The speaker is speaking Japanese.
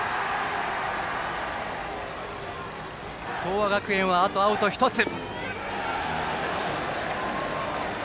東亜学園はあとアウト１つ。